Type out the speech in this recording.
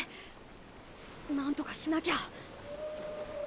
なんとかしなきゃ！